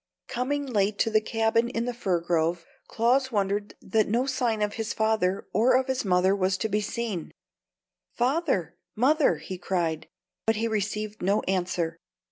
Coming late to the cabin in the fir grove, Claus wondered that no sign of his father or of his mother was to be seen. "Father mother!" he cried, but he received no answer.